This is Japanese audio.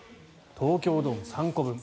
東京ドーム３個分。